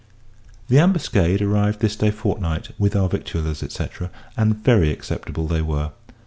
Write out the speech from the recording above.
The Ambuscade arrived this day fortnight, with our victuallers, &c. and very acceptable they were.